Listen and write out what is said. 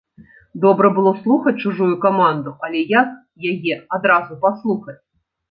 Добра было слухаць чужую каманду, але як яе адразу паслухаць?